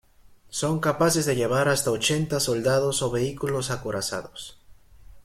Son capaces de llevar hasta ochenta soldados o vehículos acorazados.